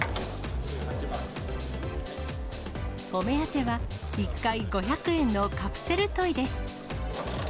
お目当ては、１回５００円のカプセルトイです。